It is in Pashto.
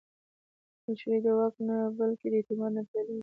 مشري د واک نه، بلکې د اعتماد نه پیلېږي